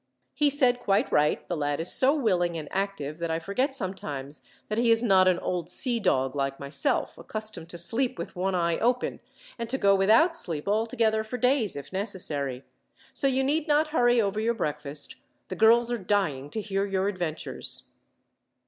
He said: 'Quite right! The lad is so willing and active, that I forget sometimes that he is not an old sea dog like myself, accustomed to sleep with one eye open, and to go without sleep altogether for days if necessary.' So you need not hurry over your breakfast. The girls are dying to hear your adventures."